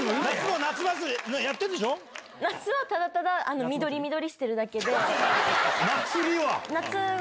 夏はただただ緑緑してるだけ祭りは？